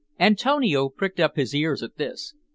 Antonio pricked up his ears at this.